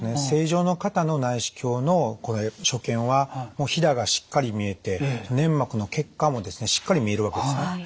正常の方の内視鏡の所見はひだがしっかり見えて粘膜の血管もですねしっかり見えるわけですね。